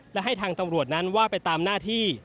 และให้ทางตำรวจนั้นว่าไปตามหน้าที่